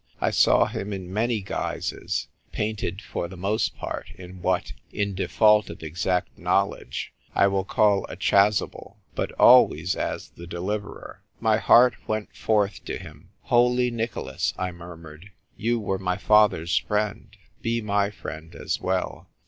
I saw him in many guises, painted for the 40 THE TYPE WRITER GIKL. most part in what, in default of exact know ledge, I will call a chasuble, but always as the deliverer. My heart went forth to him. " Holy Nicholas," I murmured, " you were my father's friend ; be my friend as well